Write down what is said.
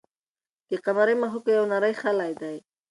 د قمرۍ مښوکه کې یو نری خلی دی.